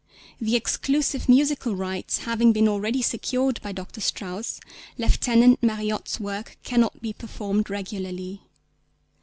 The exclusive musical rights having been already secured by Dr. Strauss, Lieutenant Marriotte's work cannot be performed regularly.